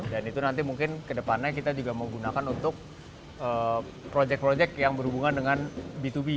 dan itu nanti mungkin kedepannya kita juga mau gunakan untuk projek projek yang berhubungan dengan b dua b